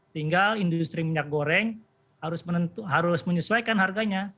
tinggal industri minyak goreng harus menyesuaikan harganya